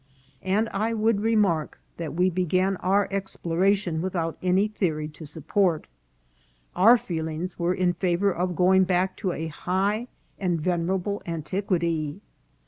And I would remark that we began our exploration without any theory to support. Our feelings were in favour of going back to a high and venerable antiquity.